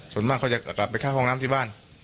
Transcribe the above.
ส่วนมากเขาจะกลับไปเข้าห้องน้ำที่บ้าน